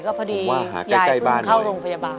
ก็พอดียายเพิ่งเข้าโรงพยาบาล